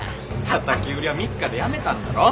たたき売りは３日でやめたんだろ？